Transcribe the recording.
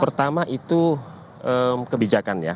pertama itu kebijakan ya